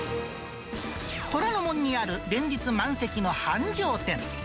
虎ノ門にある、連日満席の繁盛店。